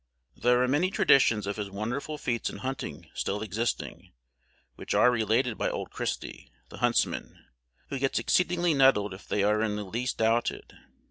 There are many traditions of his wonderful feats in hunting still existing, which are related by old Christy, the huntsman, who gets exceedingly nettled if they are in the least doubted.